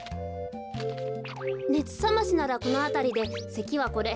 ねつさましならこのあたりでせきはこれ。